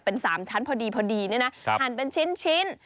เป็น๓ชั้นพอดีพอดีเนี่ยนะหั่นเป็นชิ้น